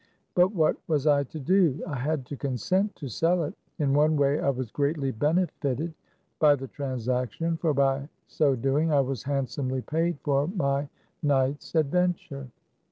But what was I to do ? I had to consent to sell it. In one way I was greatly benefited by the transaction; for by so doing I was handsomely paid for my night's adventure.